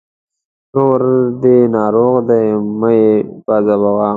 ورور دې ناروغه دی! مه يې پاذابوه.